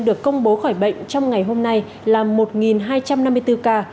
được công bố khỏi bệnh trong ngày hôm nay là một hai trăm năm mươi bốn ca